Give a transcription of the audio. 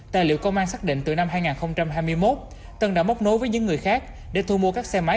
tài liệu công an xác định từ năm hai nghìn hai mươi một tân đã móc nối với những người khác để thu mua các xe máy